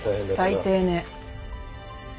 最低ね。